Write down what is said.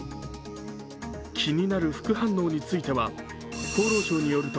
気になる副反応については、厚労省によると